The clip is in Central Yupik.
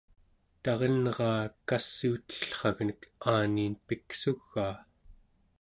tarenraa kassuutellragnek aaniin piksugaa